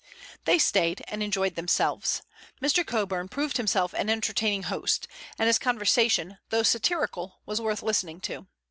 They stayed and enjoyed themselves. Mr. Coburn proved himself an entertaining host, and his conversation, though satirical, was worth listening to.